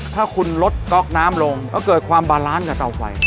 ถ้าคุณลดก๊อกน้ำลงก็เกิดความบาลานซ์กับเตาไฟ